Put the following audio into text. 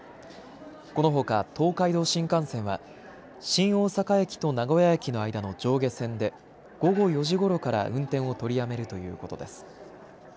このほか東海道新幹線は新大阪駅と名古屋駅の間の上下線で午後４時ごろから運転を取りやめるということです。